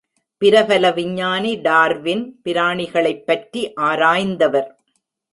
பிரபல விஞ்ஞானி டார்வின் பிராணிகளைப் பற்றி ஆராய்ந்தவர்.